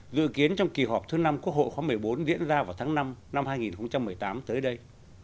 dự kiến trong kỳ họp thứ năm quốc hội khóa một mươi bốn diễn ra vào tháng năm năm hai nghìn một mươi tám tới đây